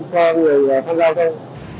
cho người tham gia giao thông